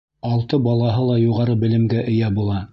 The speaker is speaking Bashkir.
Алты балаһы ла юғары белемгә эйә була.